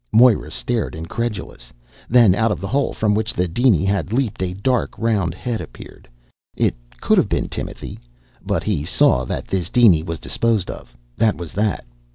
Moira stared, incredulous. Then, out of the hole from which the diny had leaped, a dark round head appeared. It could have been Timothy. But he saw that this diny was disposed of. That was that.